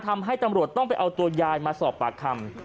ทำให้ตำรวจต้องไปเอาตัวยายมาสอบปากคำ